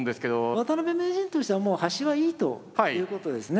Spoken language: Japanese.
渡辺名人としてはもう端はいいということですね。